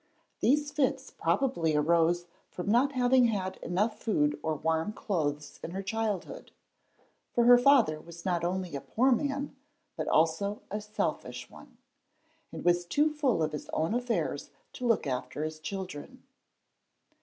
These fits probably arose from not having had enough food or warm clothes in her childhood, for her father was not only a poor man but also a selfish one, and was too full of his own affairs to look after his children.